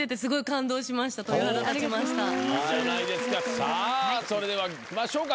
さあそれではいきましょうか。